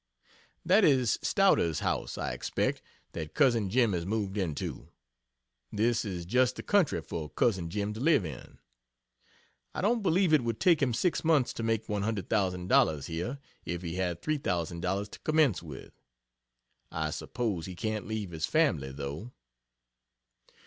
That is Stoughter's house, I expect, that Cousin Jim has moved into. This is just the country for Cousin Jim to live in. I don't believe it would take him six months to make $100,000 here, if he had 3,000 dollars to commence with. I suppose he can't leave his family though.